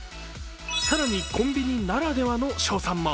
更に、コンビニならではの勝算も。